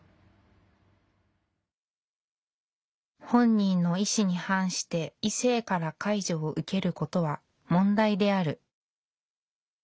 「本人の意志に反して異性から介助を受けることは問題である」。